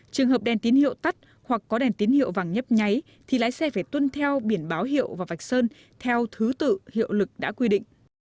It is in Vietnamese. trường hợp đèn tín hiệu tắt hoặc có đèn tín hiệu vàng nhấp nháy thì lái xe phải tuân theo biển báo hiệu và vạch sơn theo thứ tự hiệu lực đã quy định